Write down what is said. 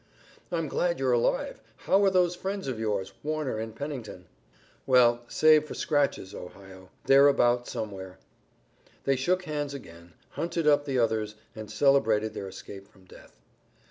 "I'm glad you're alive. How are those friends of yours, Warner and Pennington?" "Well, save for scratches, Ohio. They're about somewhere." They shook hands again, hunted up the others, and celebrated their escape from death.